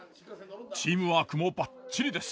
チームワークもバッチリです。